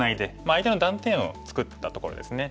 相手の断点を作ったところですね。